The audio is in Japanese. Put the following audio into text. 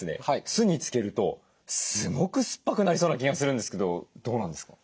酢に漬けるとすごく酸っぱくなりそうな気がするんですけどどうなんですか？